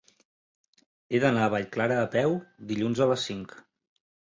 He d'anar a Vallclara a peu dilluns a les cinc.